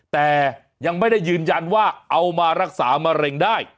แต่ยังไม่ได้ยืนยันว่าเอามารักษามะเร็งได้